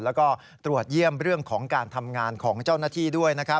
แล้วก็ตรวจเยี่ยมเรื่องของการทำงานของเจ้าหน้าที่ด้วยนะครับ